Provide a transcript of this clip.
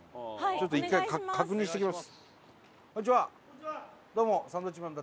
ちょっと１回確認してきます。